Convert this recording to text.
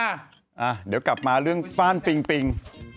อ่ะเดี๋ยวกลับมาเรื่องฟ่านปิงปิง